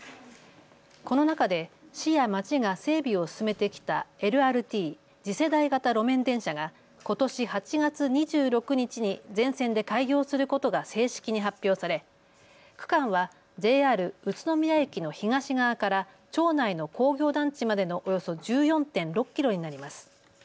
この中で市や町が整備を進めてきたＬＲＴ・次世代型路面電車がことし８月２６日に全線で開業することが正式に発表され区間はＪＲ宇都宮駅の東側から町内の工業団地までのおよそ１４．６キロになります。